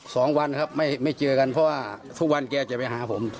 สองวันครับไม่ไม่เจอกันเพราะว่าทุกวันแกจะไปหาผม